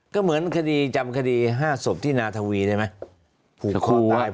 ก็เหมือนคดีจำคดี๕ศพที่นาทวีได้ไหม